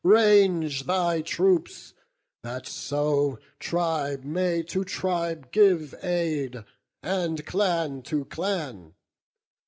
range thy troops, that so Tribe may to tribe give aid, and clan to clan.